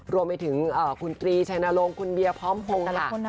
รวมไปถึงคุณกรีชายนโลงคุณเบียพร้อมพงษ์ค่ะ